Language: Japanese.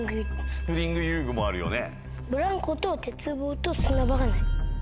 スプリング遊具もあるよね。